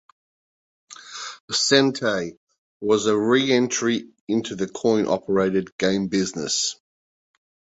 Sente was a reentry into the coin-operated game business.